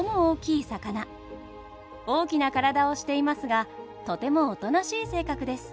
大きな体をしていますがとてもおとなしい性格です。